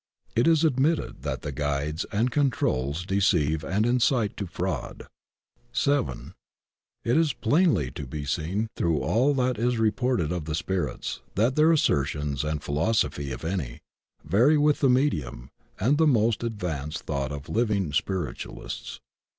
It is admitted that the guides and controls de ceive and incite to fraud. VII. It is plainly to be seen through all that is re ported of the spirits that their assertions and phil osophy, if any, vary with the medium and the most ad vanced thought of living spiritualists.